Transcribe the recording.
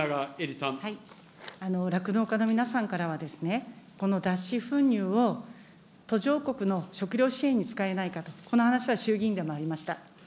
酪農家の皆さんからは、この脱脂粉乳を途上国の食料支援に使えないかと、この話は衆議院でもありました。